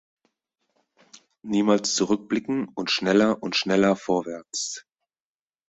Niemals zurückblicken und schneller und schneller vorwärts.